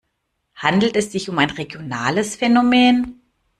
Handelt es sich um ein regionales Phänomen?